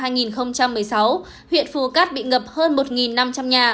huyện phù cát bị ngập hơn một năm trăm linh nhà